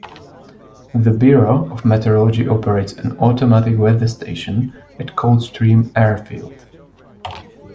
The Bureau of Meteorology operates an automatic weather station at Coldstream Airfield.